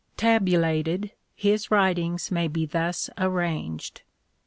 Tabulated his writings may be thus arranged.